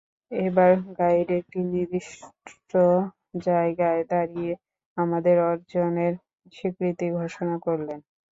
এবার গাইড একটি নির্দিষ্ট জায়গায় দাঁড়িয়ে আমাদের অর্জনের স্বীকৃতি ঘোষণা করলেন।